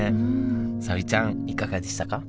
早織ちゃんいかがでしたか？